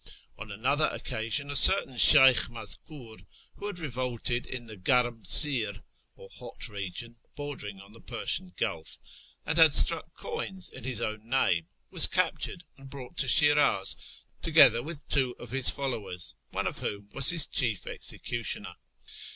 On another occasion a certain Slieykh j\Ia/.kur, who had revolted in the garmdr, or hot region bordering on the Persian Gulf, and had struck coins in his own name, was captured and brought to Shi'raz, together with two of his followers, one of whom was his chief executioner.